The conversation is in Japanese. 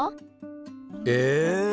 え！